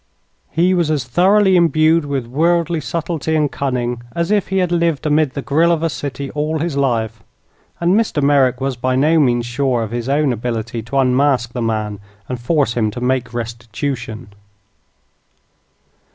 He was as thoroughly imbued with worldly subtlety and cunning as if he had lived amid the grille of a city all his life; and Mr. Merrick was by no means sure of his own ability to unmask the man and force him to make restitution.